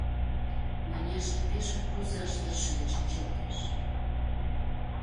Маняша пешак возаш тыршен шинчылтеш.